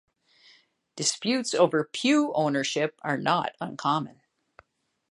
Disputes over pew ownership were not uncommon.